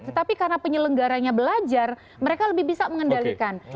tetapi karena penyelenggaranya belajar mereka lebih bisa mengendalikan